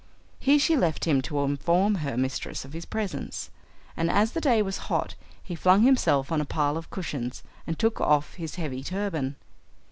Here she left him to inform her mistress of his presence, and as the day was hot he flung himself on a pile of cushions and took off his heavy turban.